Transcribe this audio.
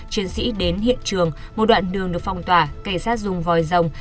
chiến sĩ đến hiện trường một đoạn đường được phong tỏa cảnh sát dùng vòi rồng